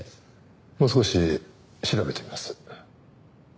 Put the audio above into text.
もう少し調べてみます。